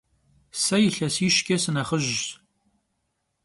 Se yilhesişç'e sınexhıjş.